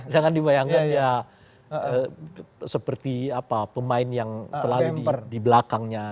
jangan dibayangkan ya seperti pemain yang selalu di belakangnya